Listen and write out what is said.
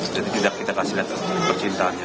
jadi kita kasih lihat percintanya